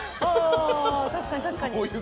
確かに、確かに。